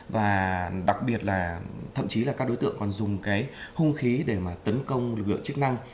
và đặc biệt là thậm chí là các đối tượng còn dùng cái hung khí để mà tấn công lực lượng chức năng